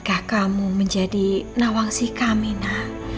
berkenankah kamu menjadi nawangsi kamina